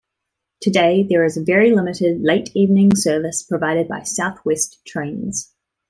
Today there is a very limited late evening service provided by South West Trains.